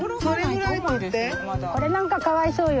これなんかかわいそうよ。